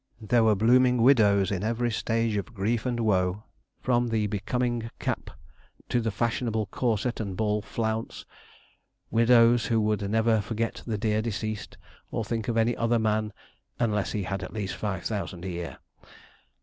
There were blooming widows in every stage of grief and woe, from the becoming cap to the fashionable corset and ball flounce widows who would never forget the dear deceased, or think of any other man unless he had at least five thousand a year.